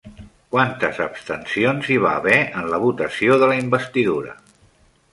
Quantes abstencions hi va haver en la votació de la investidura?